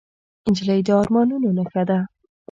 نجلۍ د ارمانونو نښه ده.